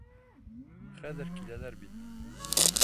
Хәҙер киләләр бит.